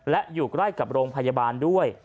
และอยู่ใกล้กับโรงพยาบาลด้วย